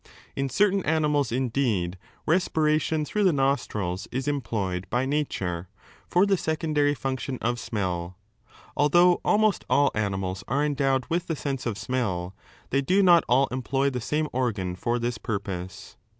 In certain animals, indeed, respiration through the nostrils is employed by nature for the secondary function 3 of smelL Although almost all animals are endowed with the sense of smell, they do not all employ the same organ for this purpose.